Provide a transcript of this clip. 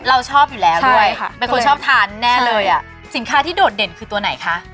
เราชอบอยู่แล้วด้วยค่ะเป็นคนชอบทานแน่เลยอ่ะสินค้าที่โดดเด่นคือตัวไหนคะ